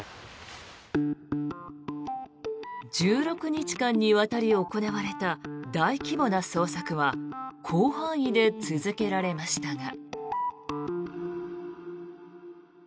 １６日間にわたり行われた大規模な捜索は広範囲で続けられましたが。